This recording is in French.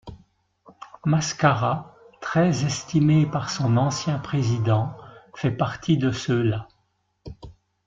Mascara, très estimé par son ancien président, fait partie de ceux-là.